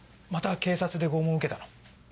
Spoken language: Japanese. また警察で拷問受けたの？